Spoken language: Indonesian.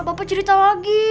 bapak cerita lagi